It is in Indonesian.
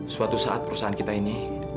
suatu saat perusahaan kita ini